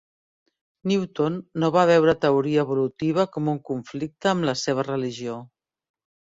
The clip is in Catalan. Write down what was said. Newton no va veure teoria evolutiva com un conflicte amb la seva religió.